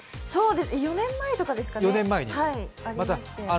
４年前とかですかね、ありまして。